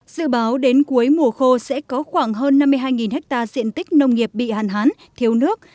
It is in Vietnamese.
dự báo đến cuối mùa khô sẽ có khoảng hơn năm mươi hai ha diện tích nông nghiệp bị hạn hán thiếu nước